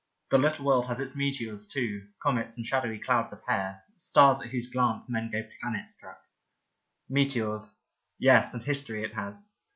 The Little World has its meteors, too, comets and shadowy clouds of hair, stars at whose glance men go planet struck. Meteors — yes, and history it has.